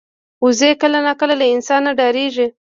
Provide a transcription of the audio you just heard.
وزې کله ناکله له انسانه ډاریږي